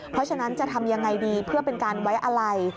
เพราะฉะนั้นจะทำยังไงดีเพื่อเป็นการไว้อะไร